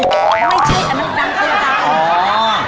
ไม่ใช่อันนั้นดังอ๋อ